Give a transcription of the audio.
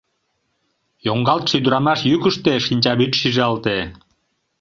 — Йоҥгалтше ӱдырамаш йӱкыштӧ шинчавӱд шижалте.